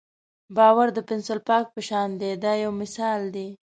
باور د پنسل پاک په شان دی دا یو مثال دی.